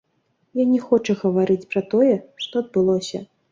Ён не хоча гаварыць пра тое, што адбылося.